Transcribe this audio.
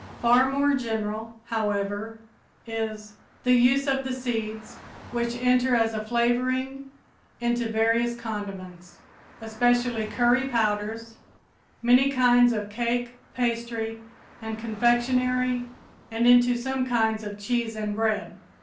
Far more general, however, is the use of the seeds, which enter as a flavoring into various condiments, especially curry powders, many kinds of cake, pastry, and confectionery and into some kinds of cheese and bread.